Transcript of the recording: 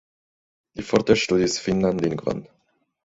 Li forte ŝtudis finnan lingvon.